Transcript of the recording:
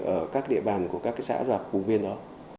ở các địa bàn của các xã vùng biên đó